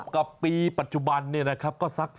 กับปีปัจจุบันเนี่ยนะครับก็สัก